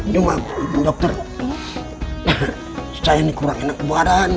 cuma dokter saya ini kurang enak kebadan